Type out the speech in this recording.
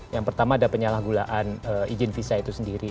yang pertama ada penyalahgunaan izin visa itu sendiri